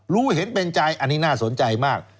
รู้เห็นเป็นใจอันนี้น่าสนใจมาก